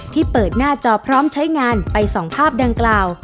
ที่เปิดหน้าจอพร้อมใช้งานไป๒ภาพดังกล่าว